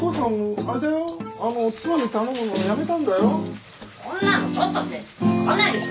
そんなのちょっとしか変わらないでしょ！